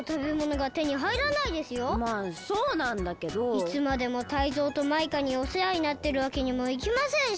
いつまでもタイゾウとマイカにおせわになってるわけにもいきませんし。